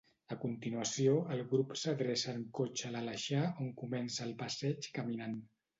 A continuació, el grup s’adreça en cotxe a l’Aleixar on comença el passeig caminant.